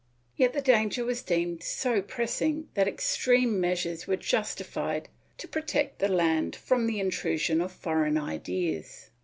Yet the danger was deemed so pressing that extreme measures were justified to protect the land from the intrusion of foreign ideas.